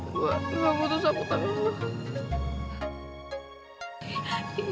gue nggak butuh sapu tangan dulu